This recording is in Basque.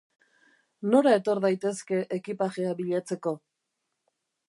Nora etor daitezke ekipajea bilatzeko?